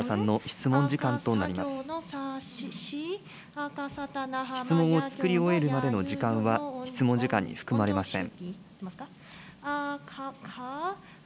質問をつくり終えるまでの時間は、質問時間に含まれません。